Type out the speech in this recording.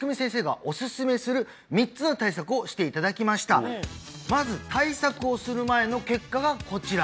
今回まず対策をする前の結果がこちら